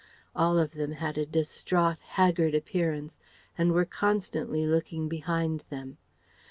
All of them had a distraught, haggard appearance and were constantly looking behind them.